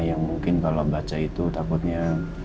yang mungkin kalau baca itu takutnya